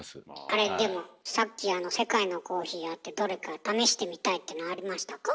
あれでもさっきあの世界のコーヒーあってどれか試してみたいっていうのありましたか？